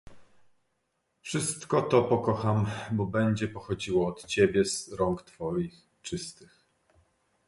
"Wszystko to pokocham, bo będzie pochodziło od ciebie, z rąk twoich czystych."